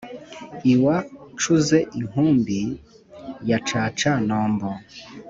iwa ncuze-inkumbi ya caca-nombo